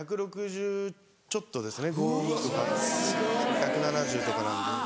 １７０とかなんで。